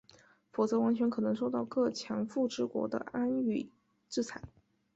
否则完全可能受到各强富之国的干预制裁。